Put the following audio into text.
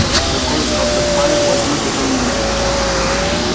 The cause of the fire was not determined.